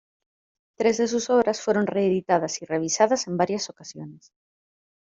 Tres de sus obras fueron reeditadas y revisadas en varias ocasiones.